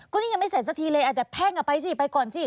ก็นี่ยังไม่เสร็จสักทีเลยแพ่งอ่ะไปก่อนสิ